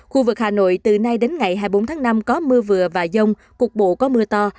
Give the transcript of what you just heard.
khu vực hà nội từ nay đến ngày hai mươi bốn tháng năm có mưa vừa và dông cục bộ có mưa to